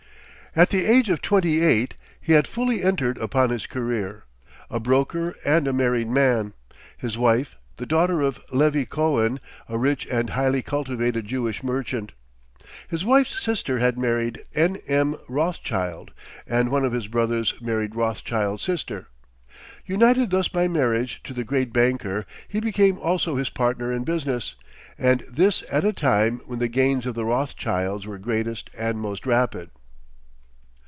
At the age of twenty eight he had fully entered upon his career, a broker and a married man, his wife the daughter of Levy Cohen, a rich and highly cultivated Jewish merchant. His wife's sister had married N. M. Rothschild, and one of his brothers married Rothschild's sister. United thus by marriage to the great banker, he became also his partner in business, and this at a time when the gains of the Rothschilds were greatest and most rapid.